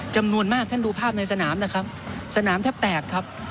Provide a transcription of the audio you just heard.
ท่านดูภาพในสนามนะครับสนามแทบแตกครับ